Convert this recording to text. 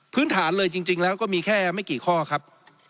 พื้นฐานเลยจริงแล้วก็มีแค่ไม่กี่ข้อครับ